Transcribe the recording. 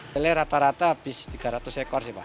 kele rata rata habis tiga ratus ekor sih pak